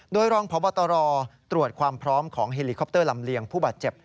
โดยรองพบตรตรวจความพร้อมของเฮลิคอปเตอร์ลำเลียงผู้บาดเจ็บ